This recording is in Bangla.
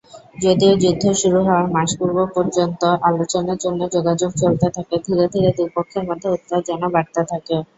যদিও যুদ্ধ শুরু হওয়ার মাস পূর্ব পর্যন্ত আলোচনার জন্য যোগাযোগ চলতে থাকে, ধীরে ধীরে দু পক্ষের মধ্যে উত্তেজনা বাড়তে থাকে।